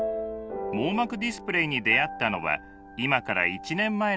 網膜ディスプレイに出会ったのは今から１年前のことでした。